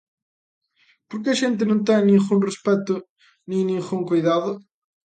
Porque a xente non ten ningún respecto nin ningún coidado.